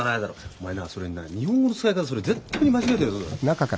お前なそれにな日本語の使い方それ絶対に間違えてるぞ。